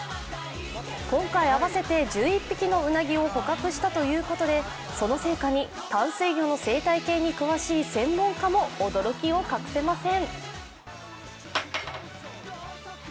今回、合わせて１１匹のうなぎを捕獲したということで、その成果に淡水魚の生態系に詳しい専門家も驚きを隠せません。